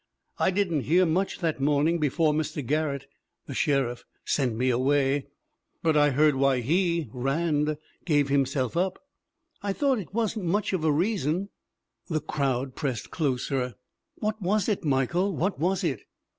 'I didn't hear much that morning before Mr. Garrett [the sheriff] sent me away, but I heard why he [Rand] gave him self up. I thought it wasn't much of a reason * i 3 4 THE WOMEN WHO MAKE OUR NOVELS "The crowd pressed closer, 'What was it, Michael, what was it?'